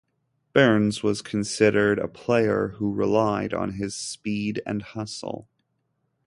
Byrnes was considered a player who relied on his speed and hustle.